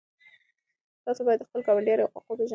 تاسو باید د خپلو ګاونډیانو حقوق وپېژنئ.